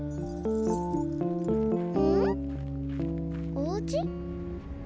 おうち？